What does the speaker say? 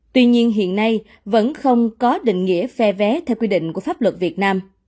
tuy nhiên hiện nay vẫn không có định nghĩa phe vé theo quy định của pháp luật việt nam